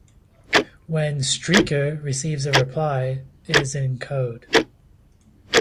When "Streaker" receives a reply, it is in code.